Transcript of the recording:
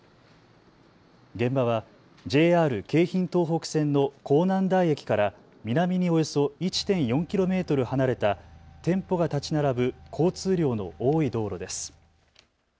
現場はＪＲ京浜東北線の港南台駅から南におよそ１．４キロメートル離れた店舗が建ち並ぶ交通量の多い道路です。